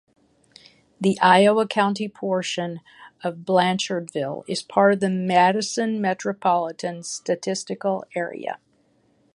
The Iowa County portion of Blanchardville is part of the Madison Metropolitan Statistical Area.